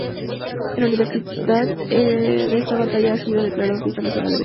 El aniversario de esta batalla ha sido declarado fiesta nacional de Belice.